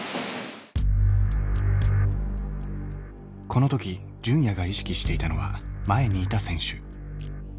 この時純也が意識していたのは前にいた選手。